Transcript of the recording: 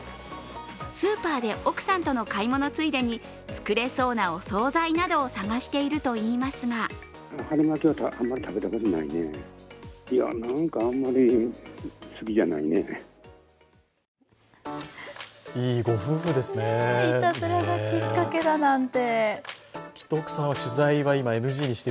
スーパーで奥さんとの買い物ついでに作れそうなお総菜などを探しているといいますがいたずらがきっかけだなんて。